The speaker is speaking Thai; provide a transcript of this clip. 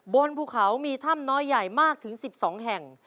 บนภูเขามีถ้ำน้อยใหญ่มากถึง๑๒แห่ง